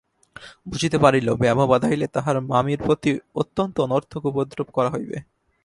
বুঝিতে পারিল ব্যামো বাধাইলে তাহার মামির প্রতি অত্যন্ত অনর্থক উপদ্রব করা হইবে।